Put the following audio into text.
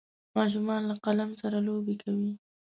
ماشومان له قلم سره لوبې کوي.